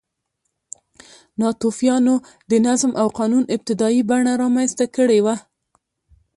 ناتوفیانو د نظم او قانون ابتدايي بڼه رامنځته کړې وه